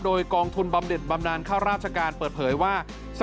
โดยกองทุนบำเด็ดบำนานข้าราชการเปิดเผยว่า